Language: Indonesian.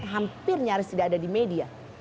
hampir nyaris tidak ada di media